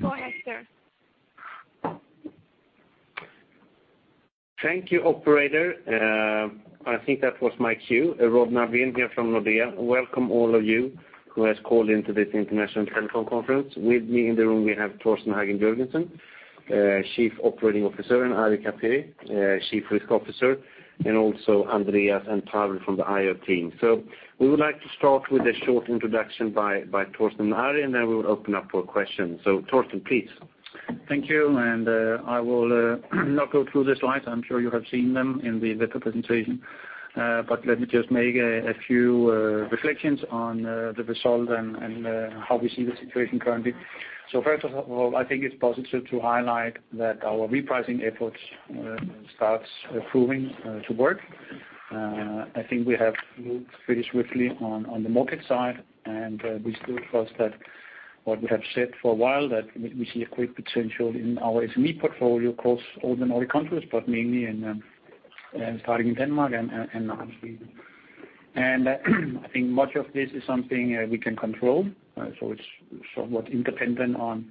Please go ahead, sir. Thank you, operator. I think that was my cue. Rod Alfvén here from Nordea. Welcome all of you who have called into this international telecom conference. With me in the room, we have Torsten Hagen Jørgensen, Chief Operating Officer, and Ari Kaperi, Chief Risk Officer, and also Andreas and Pavel from the IR team. We would like to start with a short introduction by Torsten and Ari, and then we will open up for questions. Torsten, please. Thank you. I will not go through the slides. I'm sure you have seen them in the web presentation. Let me just make a few reflections on the result and how we see the situation currently. First of all, I think it's positive to highlight that our repricing efforts start proving to work. I think we have moved pretty swiftly on the market side, and we still trust that what we have said for a while, that we see a great potential in our SME portfolio across all the Nordic countries, but mainly starting in Denmark and now Sweden. I think much of this is something we can control. It's somewhat independent on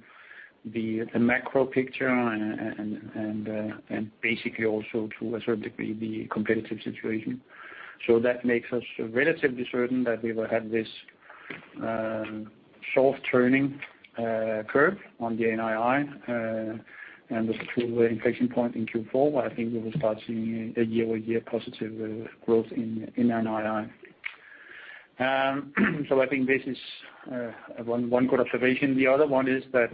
the macro picture and basically also to a certain degree, the competitive situation. That makes us relatively certain that we will have this sharp turning curve on the NII, and this is through the inflation point in Q4, where I think we will start seeing a year-over-year positive growth in NII. I think this is one good observation. The other one is that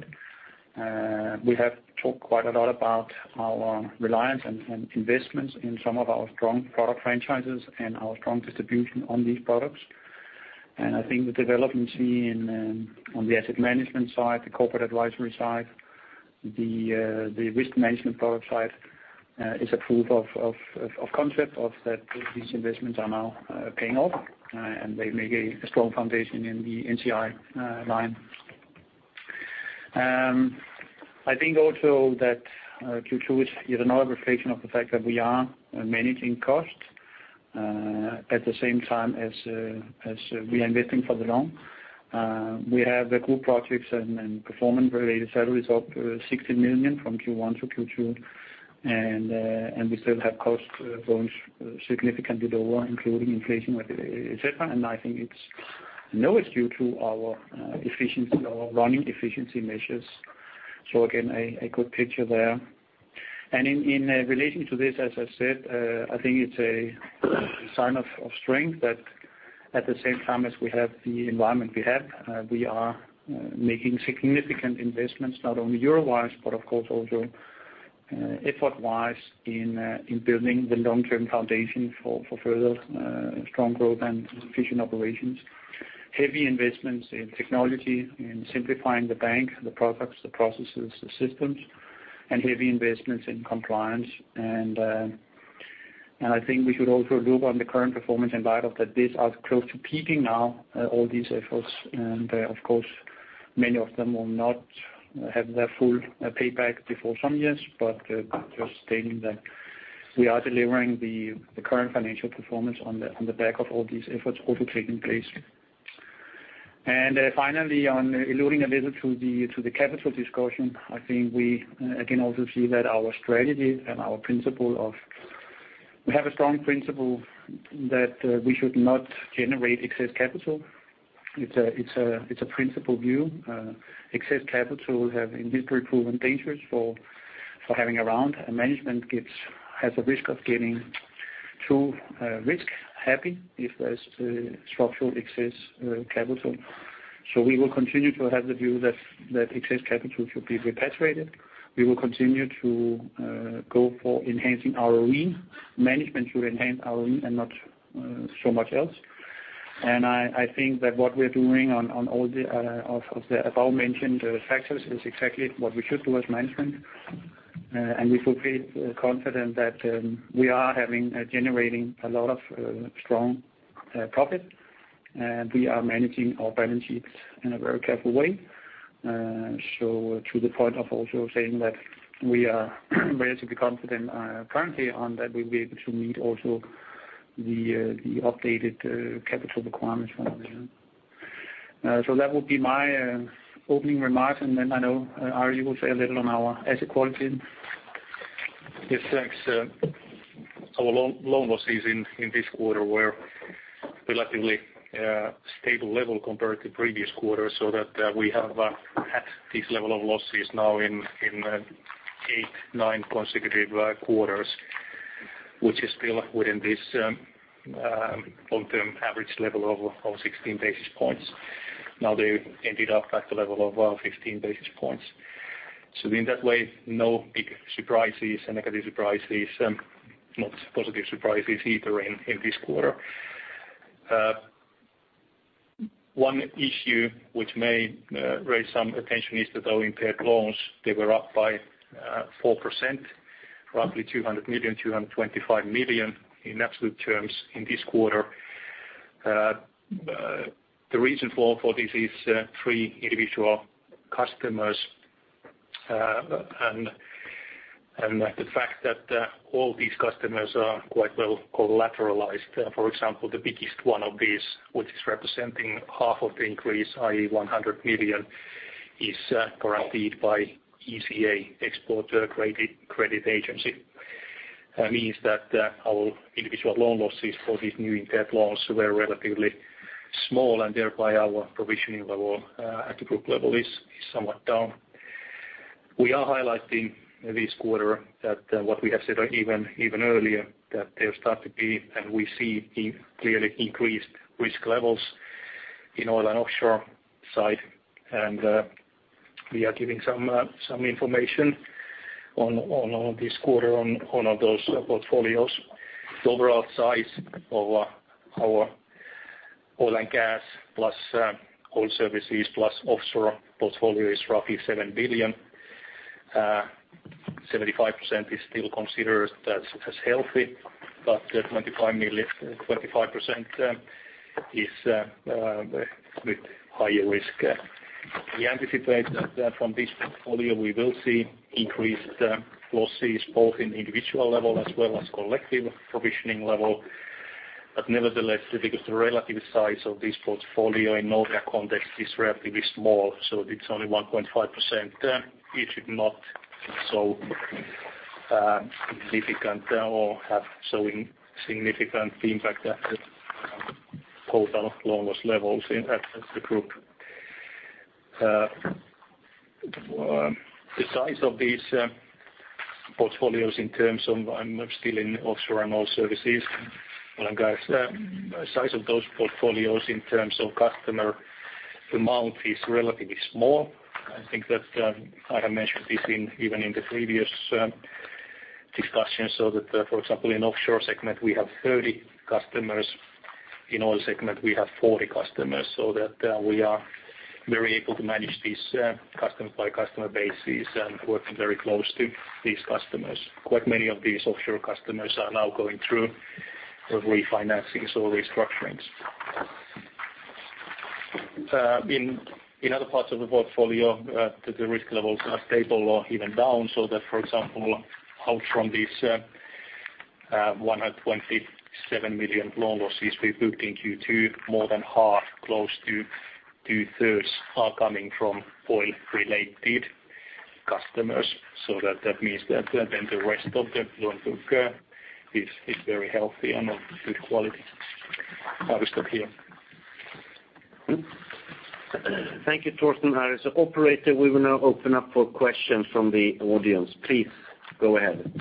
we have talked quite a lot about our reliance and investments in some of our strong product franchises and our strong distribution on these products. I think the developments seen on the asset management side, the corporate advisory side, the risk management product side is a proof of concept of that these investments are now paying off, and they make a strong foundation in the NCI line. I think also that Q2 is another reflection of the fact that we are managing costs at the same time as we are investing for the long. We have the group projects and performance-related salaries up 16 million from Q1 to Q2. We still have cost going significantly lower, including inflation, et cetera. I think it's no issue to our efficiency or running efficiency measures. Again, a good picture there. In relating to this, as I said, I think it's a sign of strength that at the same time as we have the environment we have we are making significant investments, not only euro-wise, but of course also effort-wise in building the long-term foundation for further strong growth and efficient operations. Heavy investments in technology, in simplifying the bank, the products, the processes, the systems, and heavy investments in compliance. I think we should also look on the current performance in light of that these are close to peaking now all these efforts. Of course, many of them will not have their full payback before some years. Just stating that we are delivering the current financial performance on the back of all these efforts also taking place. Finally, on alluding a little to the capital discussion, I think we again also see that our strategy and our principle. We have a strong principle that we should not generate excess capital. It's a principle view. Excess capital have in history proven dangerous for having around, and management has a risk of getting too risk-happy if there's structural excess capital. We will continue to have the view that excess capital should be repatriated. We will continue to go for enhancing our ROE. Management should enhance ROE and not so much else. I think that what we're doing on all of the above-mentioned factors is exactly what we should do as management. We feel pretty confident that we are generating a lot of strong profit, and we are managing our balance sheets in a very careful way. To the point of also saying that we are relatively confident currently on that we'll be able to meet also the updated capital requirements from the EBA. That would be my opening remarks, and then I know Ari will say a little on our asset quality. Yes, thanks. Our loan losses in this quarter were relatively stable level compared to previous quarters, so that we have had this level of losses now in eight, nine consecutive quarters, which is still within this long-term average level of 16 basis points. Now they ended up at the level of 15 basis points. In that way, no big surprises, negative surprises, not positive surprises either in this quarter. One issue which may raise some attention is that our impaired loans, they were up by 4%, roughly 200 million, 225 million in absolute terms in this quarter. The reason for this is three individual customers. The fact that all these customers are quite well collateralized. For example, the biggest one of these, which is representing half of the increase, i.e., 100 million, is guaranteed by ECA, Export Credit Agency. Means that our individual loan losses for these new impaired loans were relatively small, thereby our provisioning level at the group level is somewhat down. We are highlighting this quarter that what we have said even earlier, that there start to be, and we see clearly increased risk levels in oil and offshore side. We are giving some information on this quarter on those portfolios. The overall size of our oil and gas, plus oil services, plus offshore portfolio is roughly 7 billion. 75% is still considered as healthy, but 25% is with higher risk. We anticipate that from this portfolio we will see increased losses both in individual level as well as collective provisioning level. Nevertheless, because the relative size of this portfolio in Nordea context is relatively small, so it's only 1.5%, it should not so significant or have showing significant impact at the total loan loss levels at the group. The size of these portfolios in terms of customer amount is relatively small. I'm still in offshore and oil services. I think that I have mentioned this even in the previous discussion, so that, for example, in offshore segment, we have 30 customers. In oil segment, we have 40 customers. We are very able to manage these customer by customer basis and working very close to these customers. Quite many of these offshore customers are now going through refinancings or restructurings. In other parts of the portfolio, the risk levels are stable or even down. For example, out from these 127 million loan losses we booked in Q2, more than half, close to two-thirds are coming from oil-related customers. That means that then the rest of the loan book is very healthy and of good quality. Back to you. Thank you, Torsten. [Harris], operator, we will now open up for questions from the audience. Please go ahead.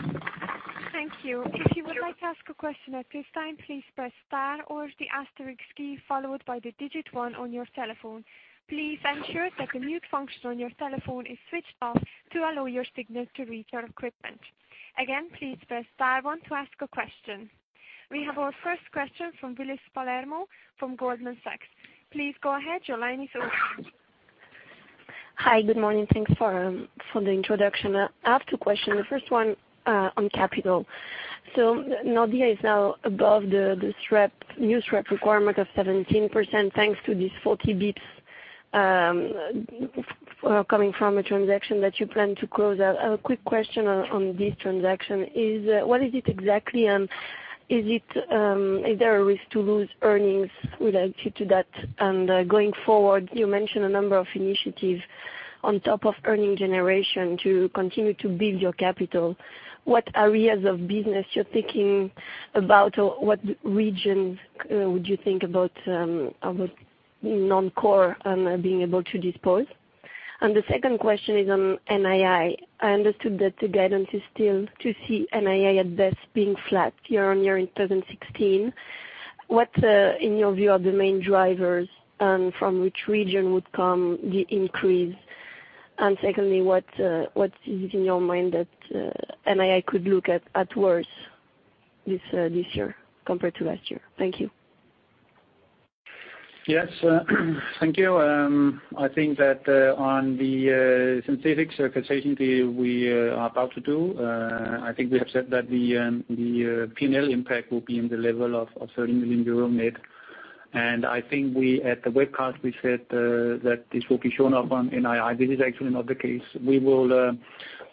Thank you. If you would like to ask a question at this time, please press star or the asterisk key, followed by the digit one on your telephone. Please ensure that the mute function on your telephone is switched off to allow your signal to reach our equipment. Again, please press star one to ask a question. We have our first question from Willis Palermo from Goldman Sachs. Please go ahead. Your line is open. Hi. Good morning. Thanks for the introduction. I have two questions. The first one on capital. Nordea is now above the new SREP requirement of 17%, thanks to these 40 basis points coming from a transaction that you plan to close out. A quick question on this transaction is what is it exactly, and is there a risk to lose earnings related to that? Going forward, you mentioned a number of initiatives on top of earning generation to continue to build your capital. What areas of business you're thinking about, or what regions would you think about non-core being able to dispose? The second question is on NII. I understood that the guidance is still to see NII at best being flat year-on-year in 2016. What, in your view, are the main drivers, and from which region would come the increase? Secondly, what is it in your mind that NII could look at worse this year compared to last year? Thank you. Yes. Thank you. I think that on the synthetic securitization deal we are about to do I think we have said that the P&L impact will be in the level of 30 million euro net. I think we at the webcast, we said that this will be shown up on NII. This is actually not the case.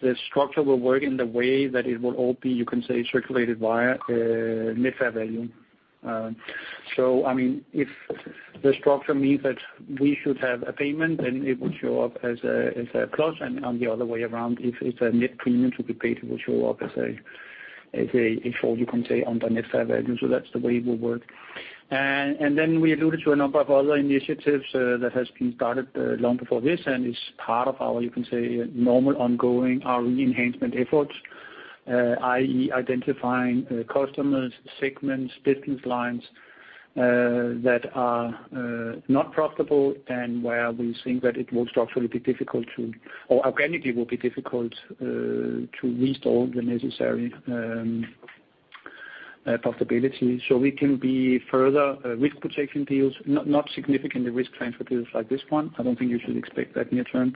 The structure will work in the way that it will all be, you can say, circulated via net fair value. If the structure means that we should have a payment, then it would show up as a plus. The other way around, if it's a net premium to be paid, it will show up as a default, you can say, on the net fair value. That's the way it will work. We alluded to a number of other initiatives that has been started long before this, and it's part of our, you can say, normal ongoing re-enhancement efforts. I.e., identifying customers, segments, business lines that are not profitable and where we think that it will structurally be difficult to, or organically will be difficult to restore the necessary profitability. We can be further risk protection deals, not significantly risk transfer deals like this one. I don't think you should expect that near term.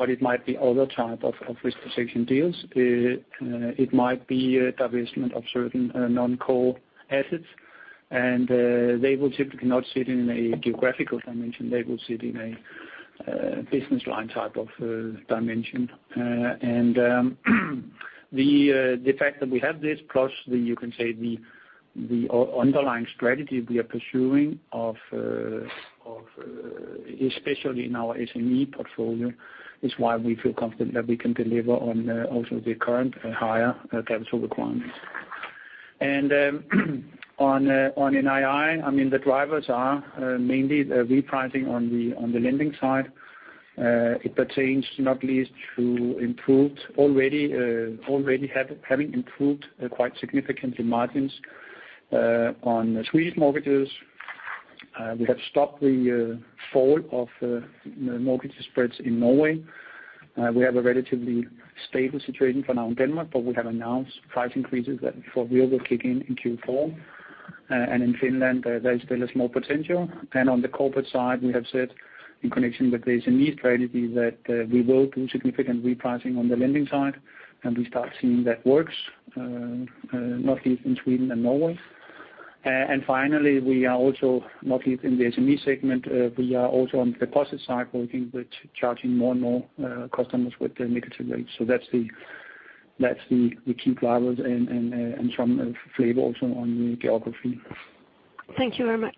It might be other type of risk protection deals. It might be divestment of certain non-core assets They will typically not sit in a geographical dimension, they will sit in a business line type of dimension. The fact that we have this plus you can say the underlying strategy we are pursuing especially in our SME portfolio, is why we feel confident that we can deliver on also the current higher capital requirements. On NII, the drivers are mainly the repricing on the lending side. It pertains not least to already having improved quite significantly margins on Swedish mortgages. We have stopped the fall of mortgage spreads in Norway. We have a relatively stable situation for now in Denmark, but we have announced price increases that for real will kick in Q4. In Finland, there still is more potential. On the corporate side, we have said in connection with the SME strategy that we will do significant repricing on the lending side, and we start seeing that works, not least in Sweden and Norway. Finally, we are also not least in the SME segment, we are also on deposit side working with charging more and more customers with negative rates. That's the key drivers and some flavor also on the geography. Thank you very much.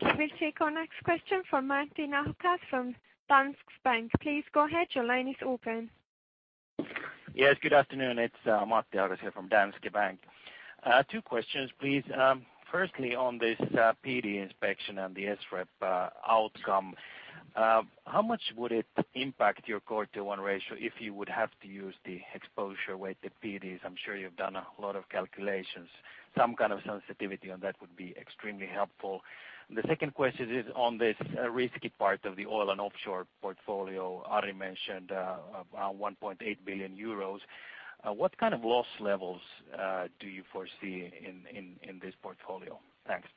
Thank you. We'll take our question from Matti Ahokas from Danske Bank. Please go ahead. Your line is open. Yes. Good afternoon. It's Matti Ahokas here from Danske Bank. Two questions, please. Firstly, on this PD inspection and the SREP outcome, how much would it impact your Core Tier 1 ratio if you would have to use the exposure-weighted PDs? I'm sure you've done a lot of calculations. Some kind of sensitivity on that would be extremely helpful. The second question is on this risky part of the oil and offshore portfolio. Ari mentioned about 1.8 billion euros. What kind of loss levels do you foresee in this portfolio? Thanks.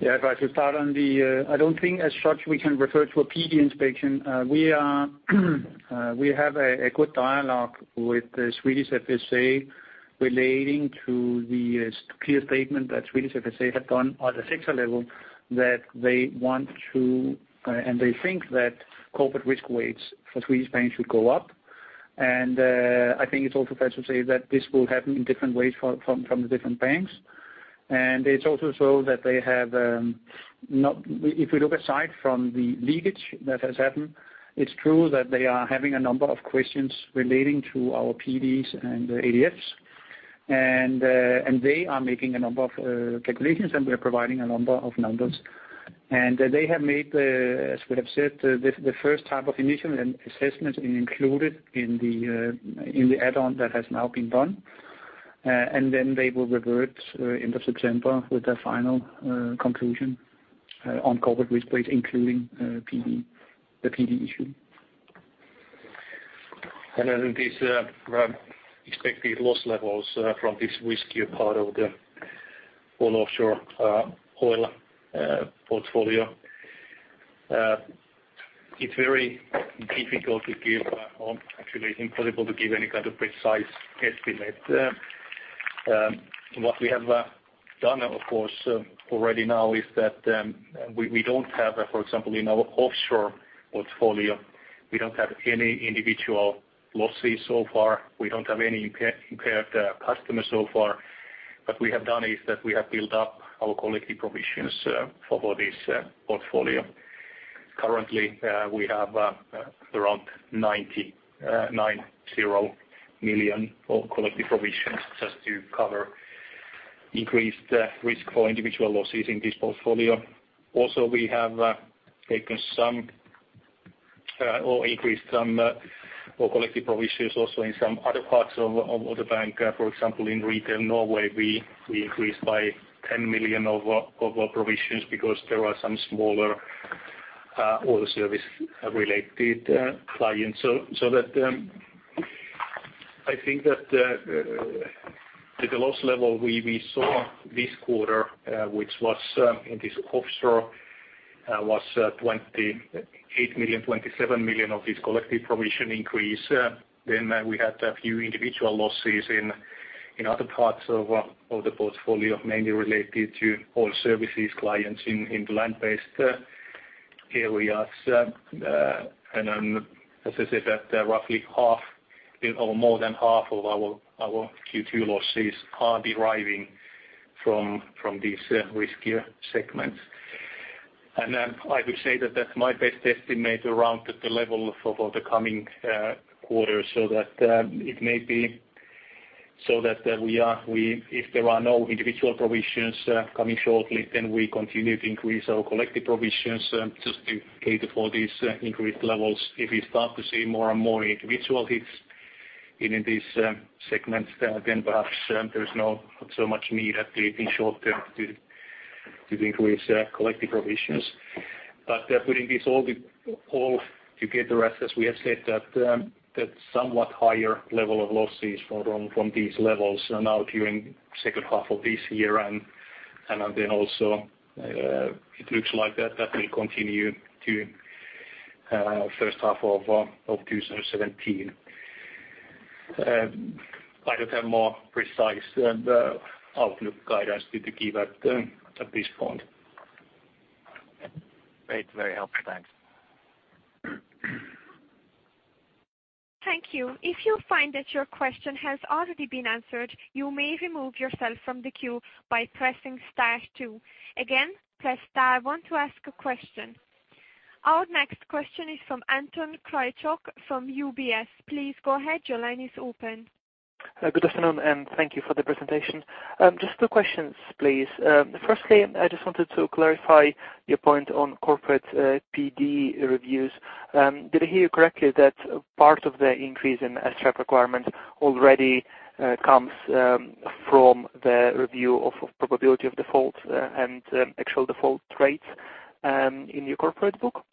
Yeah. If I could start, I don't think as such we can refer to a PD inspection. We have a good dialogue with the Swedish FSA relating to the clear statement that Swedish FSA have done on the sector level that they want to, and they think that corporate risk weights for Swedish banks should go up. I think it's also fair to say that this will happen in different ways from the different banks. It's also so that they have not-- If we look aside from the leakage that has happened, it's true that they are having a number of questions relating to our PDs and ADFs. They are making a number of calculations, and we're providing a number of numbers. They have made the, as we have said, the first type of initial assessment included in the add-on that has now been done. Then they will revert end of September with their final conclusion on corporate risk weight, including the PD issue. These expected loss levels from this riskier part of the offshore oil portfolio. It's very difficult to give, or actually it's impossible to give any kind of precise estimate. What we have done, of course, already now is that we don't have, for example, in our offshore portfolio, we don't have any individual losses so far. We don't have any impaired customers so far. What we have done is that we have built up our collective provisions for this portfolio. Currently, we have around 90 million of collective provisions just to cover increased risk for individual losses in this portfolio. Also, we have taken some or increased some collective provisions also in some other parts of the bank. For example, in retail Norway, we increased by 10 million of our provisions because there are some smaller oil service-related clients. I think that the loss level we saw this quarter, which was in this offshore, was 28 million, 27 million of this collective provision increase. We had a few individual losses in other parts of the portfolio, mainly related to oil services clients in the land-based areas. As I said, that roughly half or more than half of our Q2 losses are deriving from these riskier segments. I would say that's my best estimate around the level for the coming quarters, it may be so that if there are no individual provisions coming shortly, we continue to increase our collective provisions just to cater for these increased levels. If we start to see more and more individual hits in these segments, perhaps there's not so much need in short term to increase collective provisions. Putting this all together, as we have said, that somewhat higher level of losses from these levels now during second half of this year, also it looks like that will continue to First half of 2017. I don't have more precise outlook guidance to give at this point. Great. Very helpful. Thanks. Thank you. If you find that your question has already been answered, you may remove yourself from the queue by pressing star two. Again, press star one to ask a question. Our next question is from Anton Kryachok, from UBS. Please go ahead. Your line is open. Good afternoon. Thank you for the presentation. Just two questions, please. Firstly, I just wanted to clarify your point on corporate PD reviews. Did I hear you correctly that part of the increase in SREP requirements already comes from the review of probability of defaults and actual default rates in your corporate book?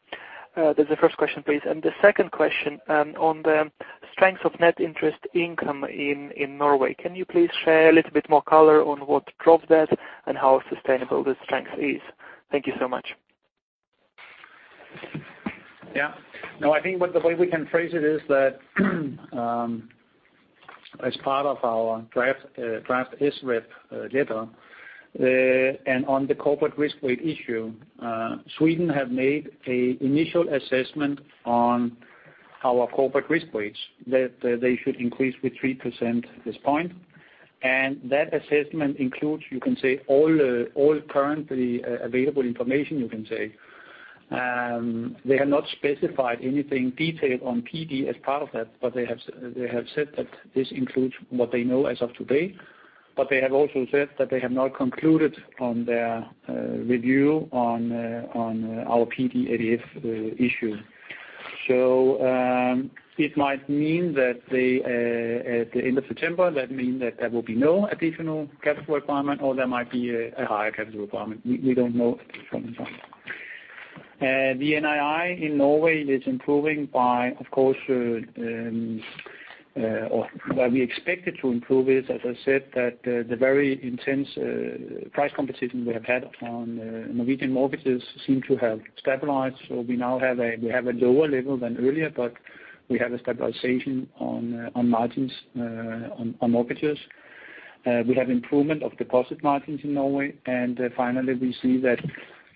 That's the first question, please. The second question on the strength of net interest income in Norway. Can you please share a little more color on what drove that and how sustainable the strength is? Thank you so much. I think what the way we can phrase it is that as part of our draft SREP letter and on the corporate risk weight issue, Sweden have made an initial assessment on our corporate risk weights that they should increase with 3% at this point. That assessment includes all currently available information you can say. They have not specified anything detailed on PD as part of that, but they have said that this includes what they know as of today, but they have also said that they have not concluded on their review on our PD LGD issue. It might mean that at the end of September, there will be no additional capital requirement, or there might be a higher capital requirement. We don't know at this point in time. The NII in Norway is improving by, of course, or where we expect it to improve is, as I said, that the very intense price competition we have had on Norwegian mortgages seem to have stabilized. We now have a lower level than earlier, but we have a stabilization on mortgage margins. We have improvement of deposit margins in Norway. Finally, we see that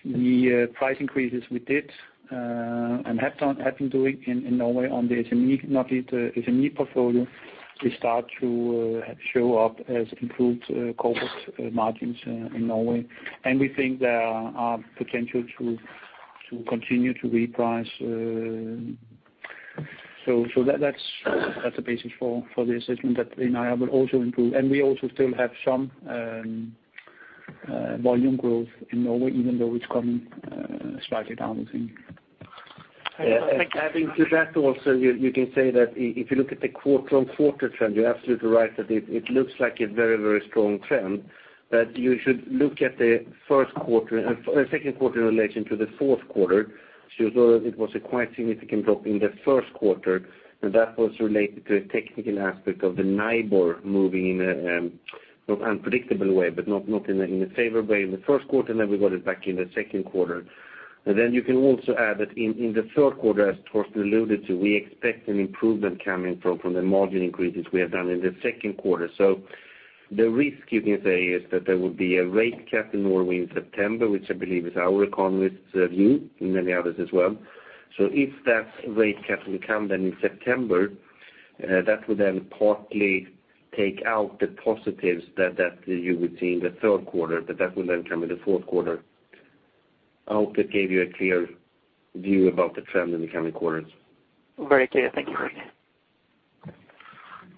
the price increases we did and have been doing in Norway on the SME portfolio will start to show up as improved corporate margins in Norway. We think there are potential to continue to reprice. That's the basis for the assessment that NII will also improve. We also still have some volume growth in Norway, even though it's coming slightly down, I think. Adding to that also, you can say that if you look at the quarter-on-quarter trend, you're absolutely right that it looks like a very, very strong trend. You should look at the second quarter in relation to the fourth quarter. It was a quite significant drop in the first quarter, that was related to a technical aspect of the NIBOR moving in an unpredictable way, but not in a favored way in the first quarter, then we got it back in the second quarter. Then you can also add that in the third quarter, as Torsten alluded to, we expect an improvement coming from the margin increases we have done in the second quarter. The risk you can say is that there will be a rate cut in Norway in September, which I believe is our economist's view and many others as well. If that rate cut will come then in September, that will then partly take out the positives that you would see in the third quarter, that will then come in the fourth quarter. I hope that gave you a clear view about the trend in the coming quarters. Very clear. Thank you very much.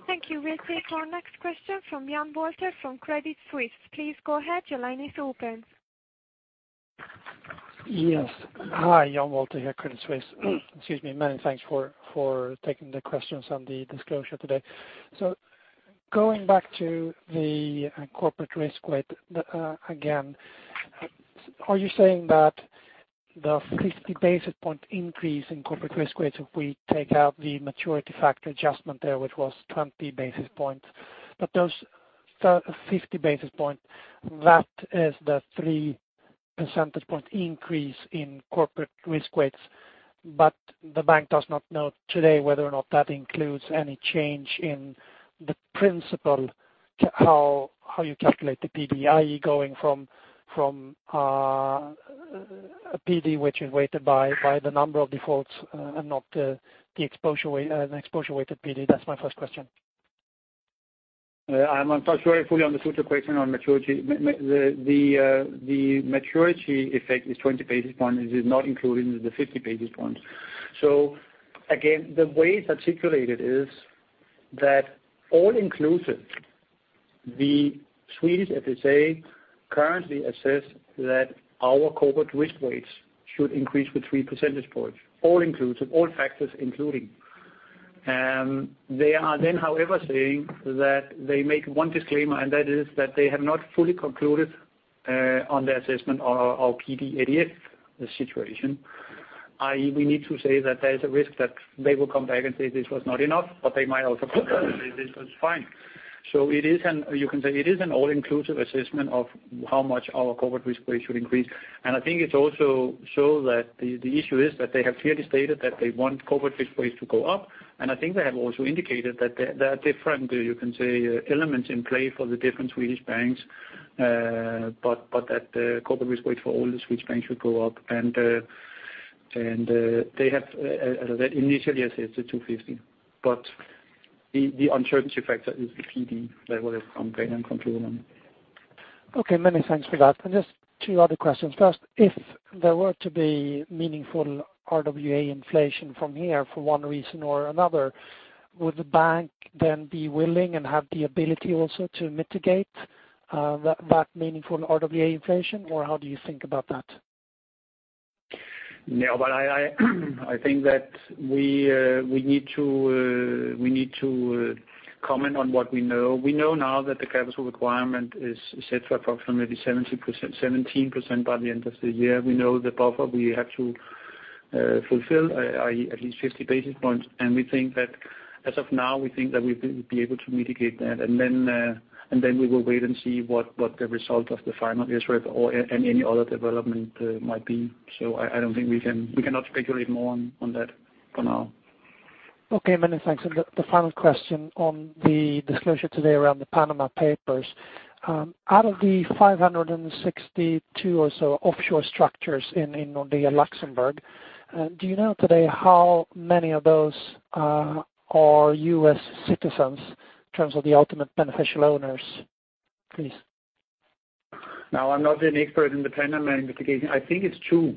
Thank you. We'll take our next question from Jan Wolter from Credit Suisse. Please go ahead. Your line is open. Yes. Hi, Jan Wolter here, Credit Suisse. Excuse me. Many thanks for taking the questions on the disclosure today. Going back to the corporate risk weight again, are you saying that the 50 basis point increase in corporate risk weights, if we take out the maturity factor adjustment there, which was 20 basis points, those 50 basis point, that is the 3 percentage point increase in corporate risk weights, the bank does not know today whether or not that includes any change in the principle how you calculate the PD, i.e., going from a PD which is weighted by the number of defaults and not an exposure-weighted PD? That's my first question. I'm not sure I fully understood your question on maturity. The maturity effect is 20 basis points. It is not included in the 50 basis points. Again, the way it's articulated is that all inclusive, the Swedish FSA currently assess that our corporate risk weights should increase with three percentage points, all inclusive, all factors including. They are, however, saying that they make one disclaimer, that is that they have not fully concluded on the assessment of our PD LGD situation, i.e., we need to say that there is a risk that they will come back and say this was not enough, they might also conclude that this was fine. You can say it is an all-inclusive assessment of how much our corporate risk weight should increase. I think it also shows that the issue is that they have clearly stated that they want corporate risk weights to go up, I think they have also indicated that there are different elements in play for the different Swedish banks, that the corporate risk weight for all the Swedish banks should go up. They have initially assessed 250. The uncertainty factor is the PD level from credit control. Okay, many thanks for that. Just two other questions. First, if there were to be meaningful RWA inflation from here for one reason or another, would the bank then be willing and have the ability also to mitigate that meaningful RWA inflation? How do you think about that? No, I think that we need to comment on what we know. We know now that the capital requirement is set for approximately 17% by the end of the year. We know the buffer we have to fulfill, at least 50 basis points. We think that as of now, we think that we will be able to mitigate that. We will wait and see what the result of the final SREP and any other development might be. I don't think we can speculate more on that for now. Okay, many thanks. The final question on the disclosure today around the Panama Papers. Out of the 562 or so offshore structures in Nordea Luxembourg, do you know today how many of those are U.S. citizens in terms of the ultimate beneficial owners, please? Now, I'm not an expert in the Panama investigation. I think it's two.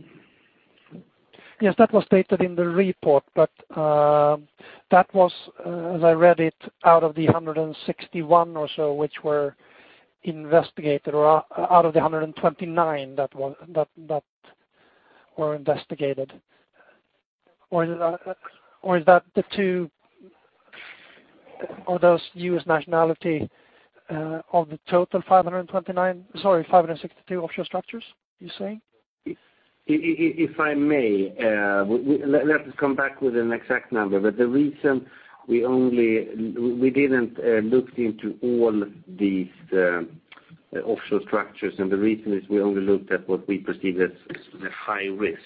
Yes, that was stated in the report, but that was, as I read it, out of the 161 or so which were investigated, or out of the 129 that were investigated. Is that the two, are those U.S. nationality of the total 562 offshore structures, you say? If I may, let us come back with an exact number. The reason we didn't look into all these offshore structures and the reason is we only looked at what we perceived as the high risk.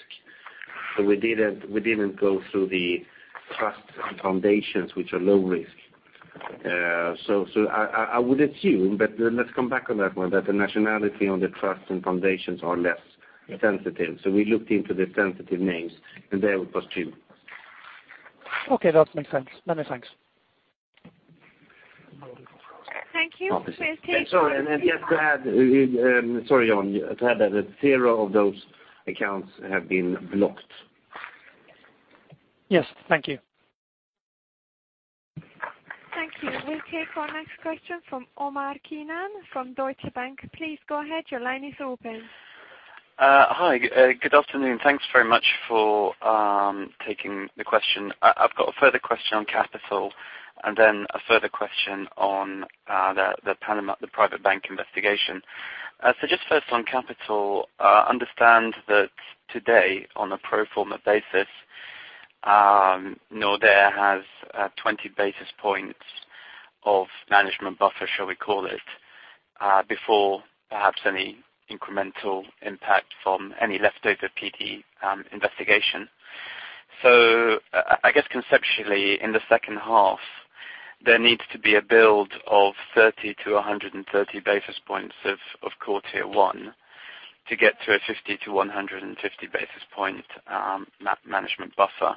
We didn't go through the trusts and foundations, which are low risk. I would assume, but let's come back on that one, that the nationality on the trusts and foundations are less sensitive. We looked into the sensitive names, and there it was two. Okay, that makes sense. Many thanks. Thank you. Sorry, just to add. Sorry, Jan, to add that zero of those accounts have been blocked. Yes. Thank you. Thank you. We'll take our next question from Omar Keenan from Deutsche Bank. Please go ahead. Your line is open. Hi. Good afternoon. Thanks very much for taking the question. I've got a further question on capital, then a further question on the private bank investigation. Just first on capital, I understand that today, on a pro forma basis, Nordea has 20 basis points of management buffer, shall we call it, before perhaps any incremental impact from any leftover PD investigation. I guess conceptually, in the second half, there needs to be a build of 30 to 130 basis points of Core Tier 1 to get to a 50 to 150 basis point management buffer.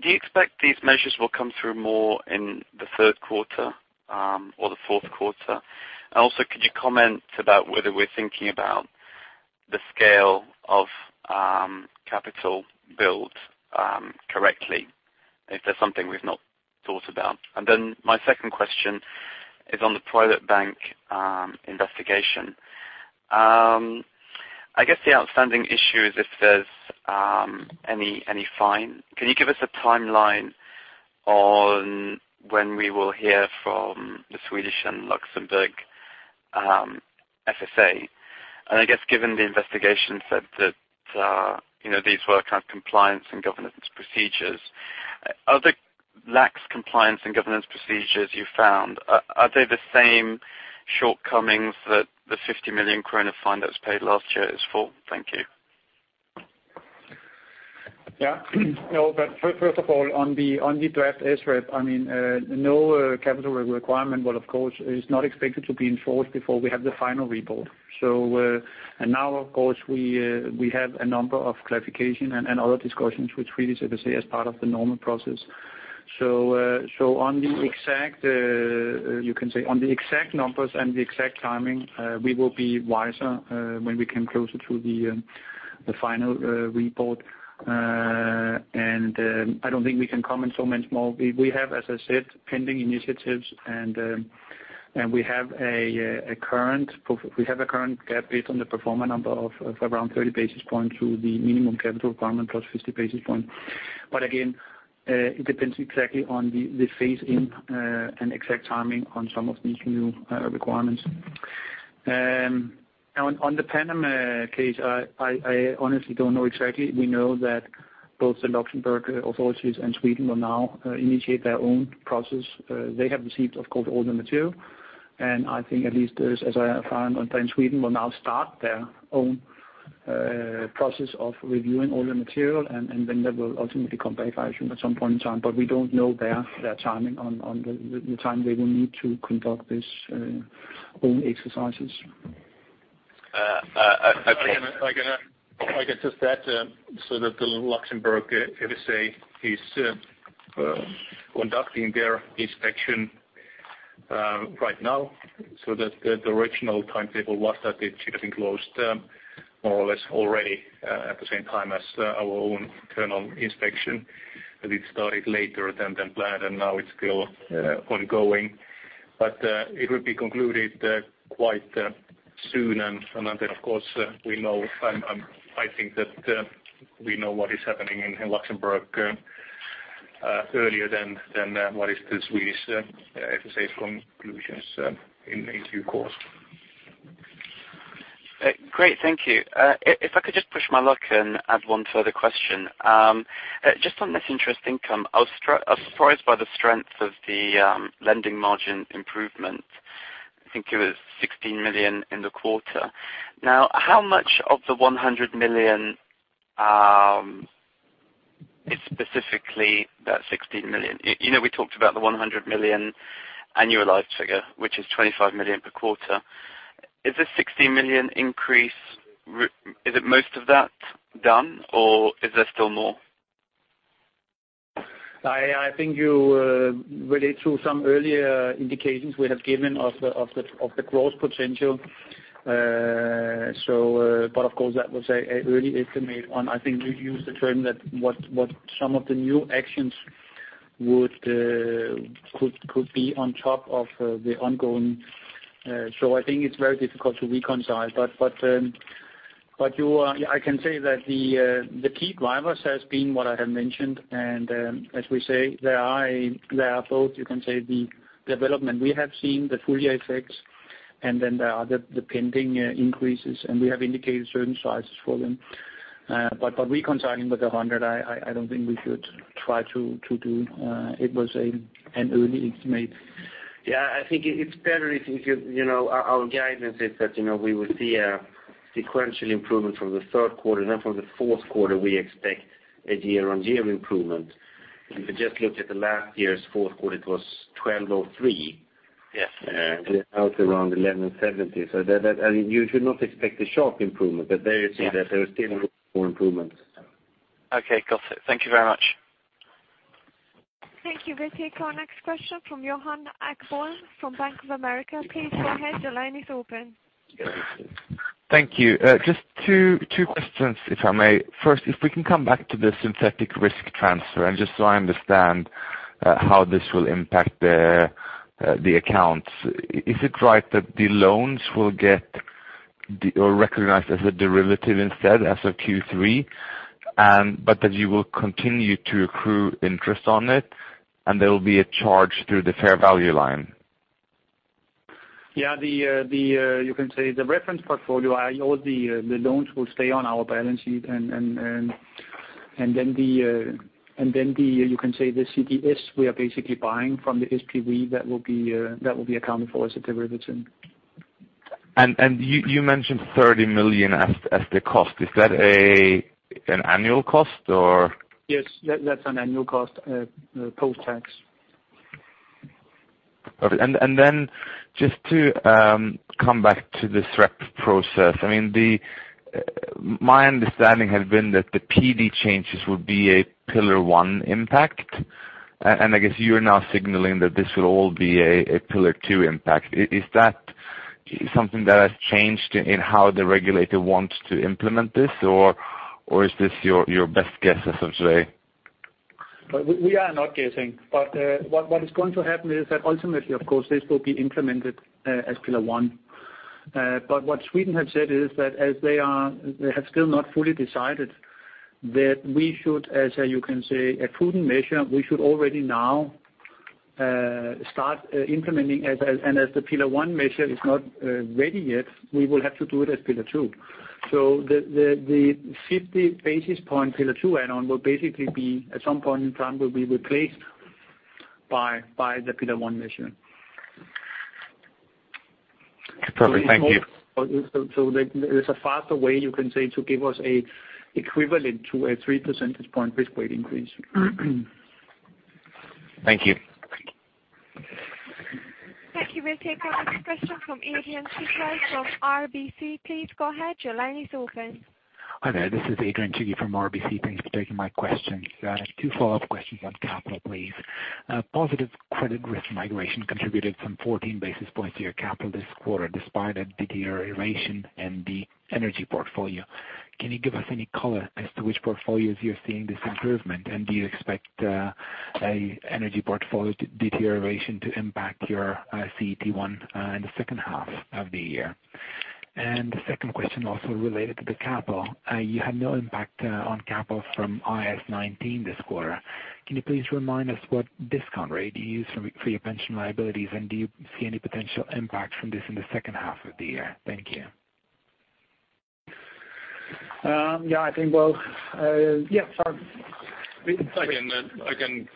Do you expect these measures will come through more in the third quarter or the fourth quarter? Also, could you comment about whether we're thinking about the scale of capital build correctly, if there's something we've not thought about? Then my second question is on the private bank investigation. I guess the outstanding issue is if there's any fine. Can you give us a timeline on when we will hear from the Swedish and Luxembourg FSA? I guess given the investigation said that these were kind of compliance and governance procedures. Are the lax compliance and governance procedures you found, are they the same shortcomings that the 50 million kronor fine that was paid last year is for? Thank you. First of all, on the draft SREP, no capital requirement, well of course, is not expected to be enforced before we have the final report. Now, of course, we have a number of clarification and other discussions with Swedish FSA as part of the normal process. On the exact numbers and the exact timing, we will be wiser when we come closer to the final report. I don't think we can comment so much more. We have, as I said, pending initiatives, and we have a current gap based on the pro forma number of around 30 basis points to the minimum capital requirement plus 50 basis points. Again, it depends exactly on the phase-in and exact timing on some of these new requirements. On the Panama case, I honestly don't know exactly. We know that both the Luxembourg authorities and Sweden will now initiate their own process. They have received, of course, all the material, and I think at least as I understand, Sweden will now start their own process of reviewing all the material, and then they will ultimately come back at some point in time. We don't know their timing on the time they will need to conduct these own exercises. I can assist that so that the Luxembourg FSA is conducting their inspection right now, so that the original timetable was that it should have been closed more or less already at the same time as our own internal inspection. It started later than planned, and now it's still ongoing. It will be concluded quite soon, and then, of course, I think that we know what is happening in Luxembourg earlier than what is the Swedish FSA's conclusions in due course. Great. Thank you. If I could just push my luck and add one further question. Just on this interest income, I was surprised by the strength of the lending margin improvement. I think it was 16 million in the quarter. How much of the 100 million is specifically that 16 million? We talked about the 100 million annualized figure, which is 25 million per quarter. Is this 16 million increase, is it most of that done, or is there still more? I think you relate to some earlier indications we have given of the growth potential. Of course, that was an early estimate, and I think you used the term that what some of the new actions could be on top of the ongoing. I think it's very difficult to reconcile. I can say that the key drivers has been what I have mentioned, and as we say, there are both the development we have seen, the full year effects, and then there are the pending increases, and we have indicated certain sizes for them. Reconciling with 100, I don't think we should try to do. It was an early estimate. I think it's better. Our guidance is that we will see a sequential improvement from the third quarter. From the fourth quarter we expect a year-on-year improvement. If you just look at the last year's fourth quarter, it was 1,203. Yes. Out around 1,170. You should not expect a sharp improvement. There is still room for improvement. Okay. Got it. Thank you very much. Thank you. We'll take our next question from Johan Ekblom from Bank of America. Please go ahead. Your line is open. Thank you. Just two questions, if I may. First, if we can come back to the synthetic risk transfer, just so I understand how this will impact the accounts. Is it right that the loans will get recognized as a derivative instead as of Q3, that you will continue to accrue interest on it and there will be a charge through the fair value line? Yeah. You can say the reference portfolio, all the loans will stay on our balance sheet, then the CDS we are basically buying from the SPV, that will be accounted for as a derivative. You mentioned 30 million as the cost. Is that an annual cost, or? Yes, that's an annual cost post-tax. Okay. Just to come back to the SREP process. My understanding had been that the PD changes would be a Pillar 1 impact, I guess you're now signaling that this will all be a Pillar 2 impact. Is that something that has changed in how the regulator wants to implement this, or is this your best guess, as of today? We are not guessing, what is going to happen is that ultimately, of course, this will be implemented as Pillar 1. What Sweden has said is that as they have still not fully decided that we should, as a prudent measure, we should already now start implementing. As the Pillar 1 measure is not ready yet, we will have to do it as Pillar 2. The 50 basis point Pillar 2 add-on will basically at some point in time will be replaced by the Pillar 1 measure. Perfect. Thank you. There's a faster way, you can say, to give us equivalent to a three percentage point risk weight increase. Thank you. Thank you. We'll take our next question from Adrian Cighi from RBC. Please go ahead. Your line is open. Hi there. This is Adrian Tschugi from RBC. Thanks for taking my question. Two follow-up questions on capital, please. Positive credit risk migration contributed some 14 basis points to your capital this quarter, despite a deterioration in the energy portfolio. Can you give us any color as to which portfolios you're seeing this improvement? Do you expect an energy portfolio deterioration to impact your CET1 in the second half of the year? The second question also related to the capital. You had no impact on capital from IAS 19 this quarter. Can you please remind us what discount rate you use for your pension liabilities, and do you see any potential impact from this in the second half of the year? Thank you. Yeah. Sorry. I can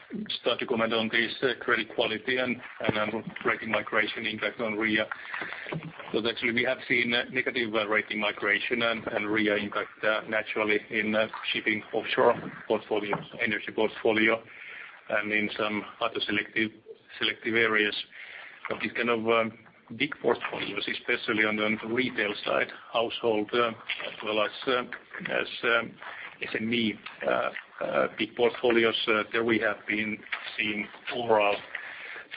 start to comment on this credit quality and rating migration impact on RWA, because actually we have seen negative rating migration and RWA impact naturally in shipping offshore portfolios, energy portfolio, and in some other selective areas. These kind of big portfolios, especially on the retail side, household as well as SME big portfolios, there we have been seeing overall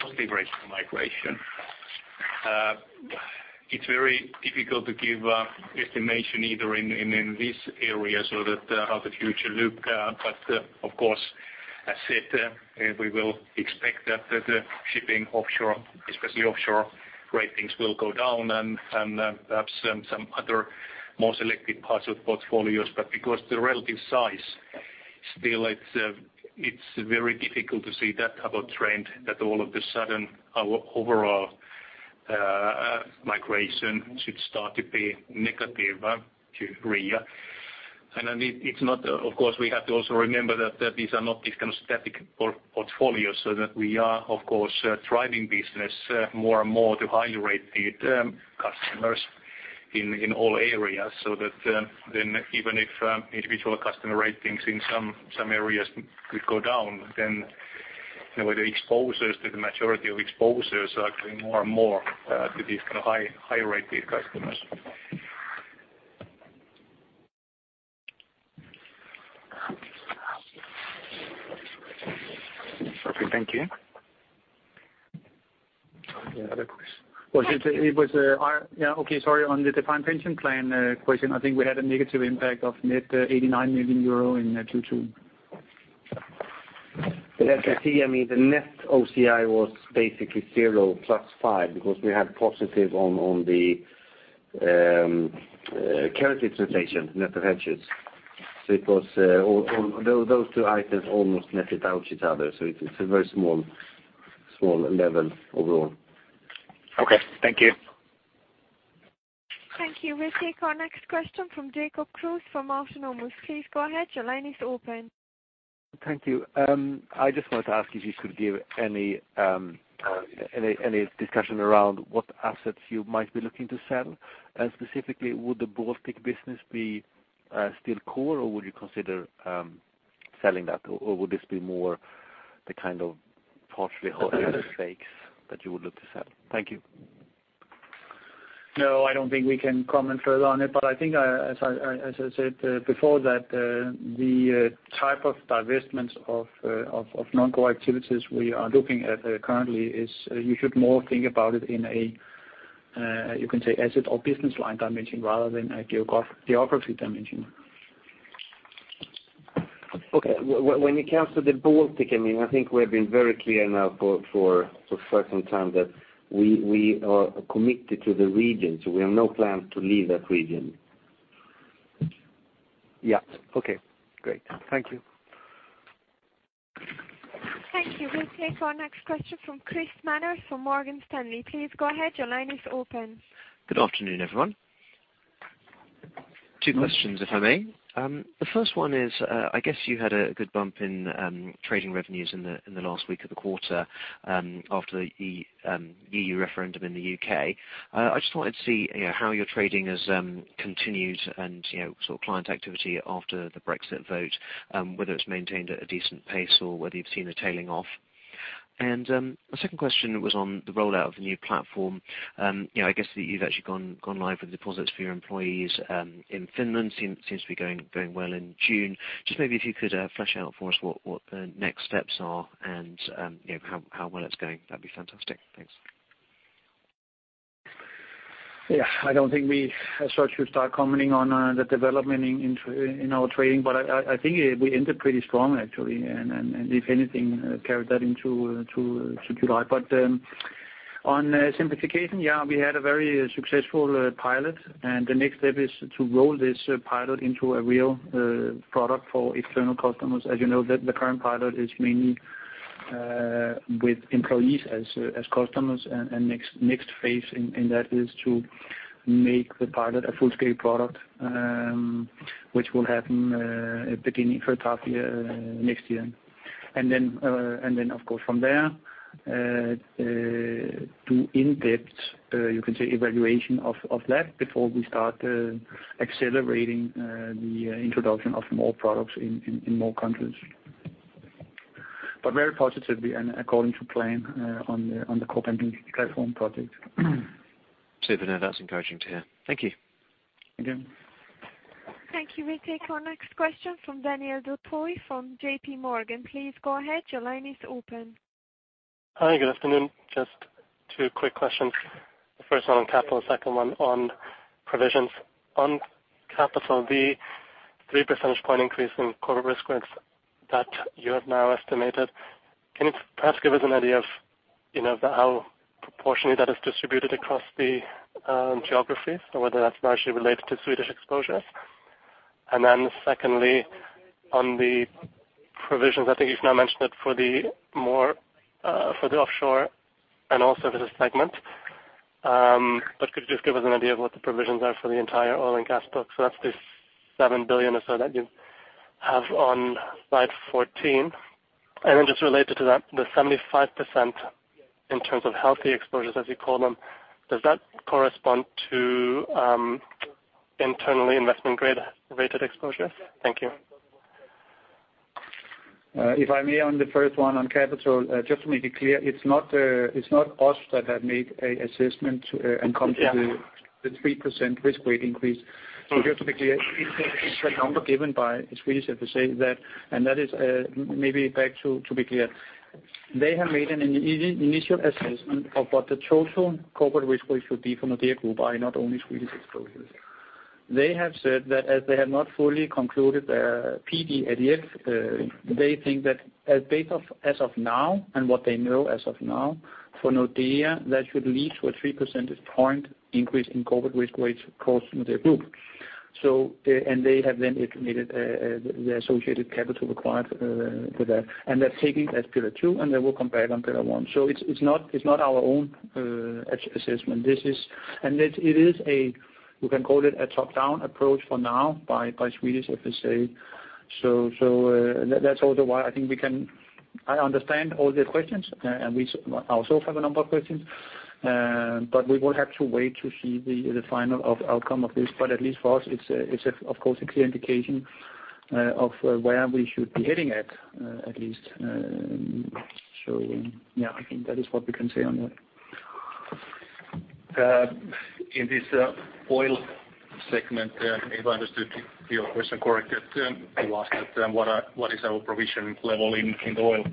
positive rate migration. It's very difficult to give estimation either in this area so that how the future look. Of course, as said, we will expect that the shipping especially offshore ratings will go down and perhaps some other more selective parts of portfolios. Because the relative size, still it's very difficult to see that type of trend that all of a sudden our overall migration should start to be negative to RWA. Of course, we have to also remember that these are not these kind of static portfolios, we are, of course, driving business more and more to highly rated customers in all areas. Even if individual customer ratings in some areas could go down, the way the exposures to the majority of exposures are going more and more to these kind of high-rated customers. Okay, thank you. Any other questions? Okay. Sorry. On the defined pension plan question, I think we had a negative impact of net 89 million euro in Q2. As you see, the net OCI was basically zero plus five because we had positive on the currency translation, net of hedges. Those two items almost netted out each other. It's a very small level overall. Okay, thank you. Thank you. We'll take our next question from Jakob Brink from DNB Markets. Please go ahead. Your line is open. Thank you. I just wanted to ask if you could give any discussion around what assets you might be looking to sell, and specifically, would the Baltic business be still core or would you consider selling that, or would this be more the kind of partially held stakes that you would look to sell? Thank you. No, I don't think we can comment further on it. I think as I said before, that the type of divestments of non-core activities we are looking at currently is you should more think about it in a, you can say asset or business line dimension rather than a geography dimension. Okay. When it comes to the Baltic, I think we've been very clear now for quite some time that we are committed to the region, we have no plans to leave that region. Yeah. Okay. Great. Thank you. Thank you. We'll take our next question from Chris Manners from Morgan Stanley. Please go ahead. Your line is open. Good afternoon, everyone. Two questions, if I may. The first one is I guess you had a good bump in trading revenues in the last week of the quarter after the EU referendum in the U.K. I just wanted to see how your trading has continued and client activity after the Brexit vote, whether it's maintained at a decent pace or whether you've seen a tailing off. My second question was on the rollout of the new platform. I guess you've actually gone live with deposits for your employees in Finland. Seems to be going well in June. Just maybe if you could flesh out for us what the next steps are and how well it's going, that'd be fantastic. Thanks. Yeah. I don't think we should start commenting on the development in our trading, I think we ended pretty strong, actually, and if anything, carried that into July. On simplification, yeah, we had a very successful pilot, the next step is to roll this pilot into a real product for external customers. As you know, the current pilot is mainly with employees as customers, next phase in that is to make the pilot a full-scale product, which will happen beginning first half next year. Then, of course, from there, do in-depth you can say evaluation of that before we start accelerating the introduction of more products in more countries. Very positively and according to plan on the core banking platform project. Super. No, that's encouraging to hear. Thank you. Thank you. Thank you. We take our next question from Daniel Do-Thoi from J.P. Morgan. Please go ahead. Your line is open. Hi, good afternoon. Just two quick questions. The first one on capital, second one on provisions. On capital three percentage point increase in corporate risk weights that you have now estimated. Can you perhaps give us an idea of how proportionally that is distributed across the geographies, or whether that's largely related to Swedish exposures? Secondly, on the provisions, I think you've now mentioned it for the offshore and also for the segment. Could you just give us an idea of what the provisions are for the entire oil and gas book? That's the 7 billion or so that you have on slide 14. Just related to that, the 75% in terms of healthy exposures as you call them, does that correspond to internally investment-rated exposures? Thank you. If I may on the first one on capital, just to make it clear, it's not us that have made an assessment to and come to the 3% risk weight increase. Just to be clear, it's the number given by Swedish FSA that. They have made an initial assessment of what the total corporate risk weight should be from the Nordea Group by not only Swedish exposures. They have said that as they have not fully concluded their PD/LGD, they think that as of now and what they know as of now, for Nordea, that should lead to a 3% point increase in corporate risk weights across the group. They have then estimated the associated capital required for that. They're taking that Pillar 2, and they will come back on Pillar 1. It's not our own assessment. You can call it a top-down approach for now by Swedish FSA. That's also why I think I understand all the questions, and we also have a number of questions, but we will have to wait to see the final outcome of this. At least for us, it's of course a clear indication of where we should be heading at least. I think that is what we can say on that. In this oil segment, if I understood your question correctly, that you asked what is our provision level in the oil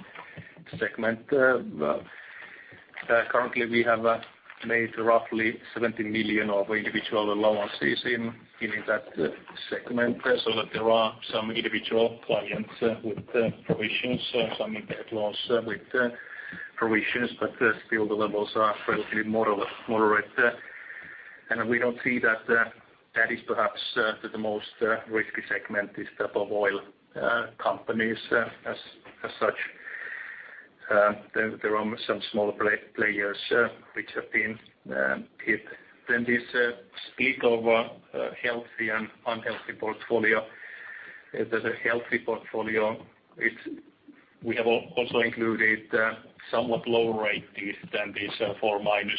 segment. Currently we have made roughly 70 million of individual allowances in that segment, so that there are some individual clients with provisions, some impaired loans with provisions, but still the levels are relatively moderate. We don't see that is perhaps the most risky segment, this type of oil companies as such. There are some smaller players which have been hit. This split over healthy and unhealthy portfolio. The healthy portfolio, we have also included somewhat lower rate than this 4 minus,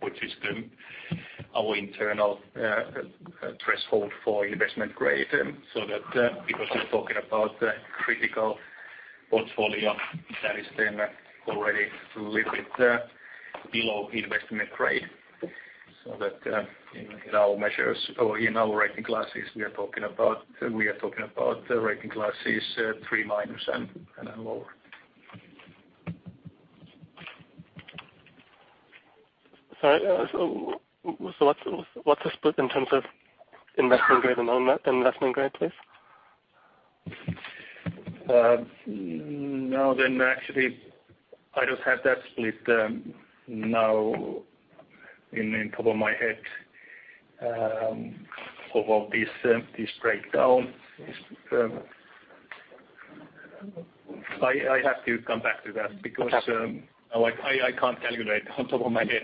which is our internal threshold for investment grade. That because we're talking about critical portfolio that is then already a little bit below investment grade. That in our measures or in our rating classes, we are talking about rating classes 3 minus lower. Sorry. What's the split in terms of investment grade and non-investment grade, please? Actually, I don't have that split now on top of my head, of all these breakdowns. I have to come back to that because I can't calculate on top of my head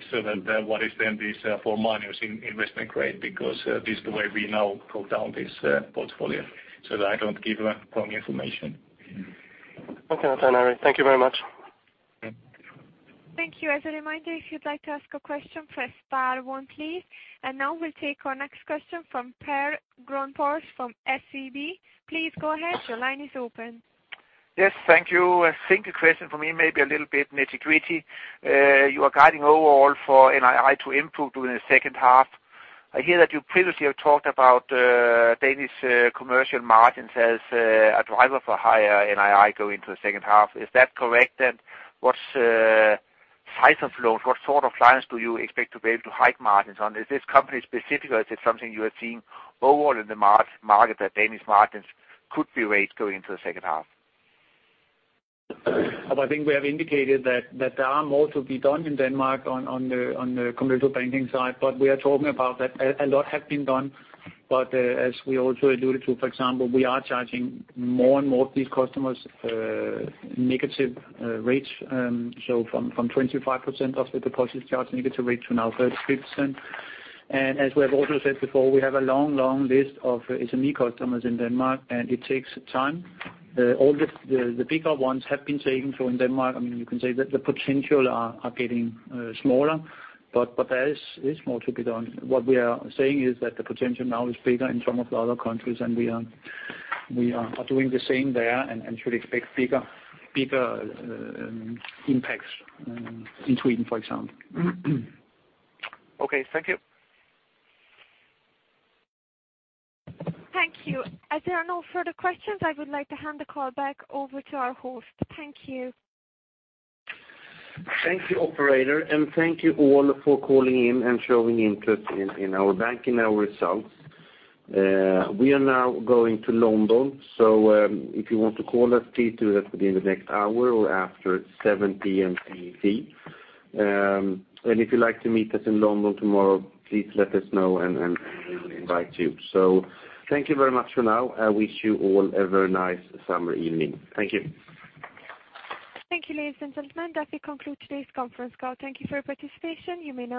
what is then this four minus in investment grade, because this is the way we now broke down this portfolio, so that I don't give wrong information. Okay. That's fine. Thank you very much. Thank you. As a reminder, if you'd like to ask a question, press star one please. Now we'll take our next question from Per Grønborg. from SEB. Please go ahead. Your line is open. Yes, thank you. I think a question for me may be a little bit nitty-gritty. You are guiding overall for NII to improve during the second half. I hear that you previously have talked about Danish commercial margins as a driver for higher NII going into the second half. Is that correct? What size of loans, what sort of clients do you expect to be able to hike margins on? Is this company specific or is it something you are seeing overall in the market that Danish margins could be raised going into the second half? I think we have indicated that there are more to be done in Denmark on the commercial banking side, but we are talking about that a lot has been done. As we also alluded to, for example, we are charging more and more of these customers negative rates. From 25% of the deposits charged negative rate to now 33%. As we have also said before, we have a long, long list of SME customers in Denmark, and it takes time. All the bigger ones have been taken. In Denmark, you can say that the potential are getting smaller, but there is more to be done. What we are saying is that the potential now is bigger in some of the other countries, and we are doing the same there and should expect bigger impacts in Sweden, for example. Okay. Thank you. Thank you. As there are no further questions, I would like to hand the call back over to our host. Thank you. Thank you, operator. Thank you all for calling in and showing interest in our bank and our results. We are now going to London, if you want to call us, please do that within the next hour or after 7:00 P.M. CET. If you'd like to meet us in London tomorrow, please let us know and we will invite you. Thank you very much for now. I wish you all a very nice summer evening. Thank you. Thank you, ladies and gentlemen. That concludes today's conference call. Thank you for your participation. You may now disconnect.